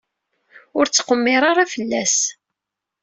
Ur ttqemmir ara fell-as.